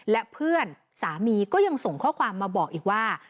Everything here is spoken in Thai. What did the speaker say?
และเพื่อนสามีก็ยังส่งข้อความมาบอกอีกว่า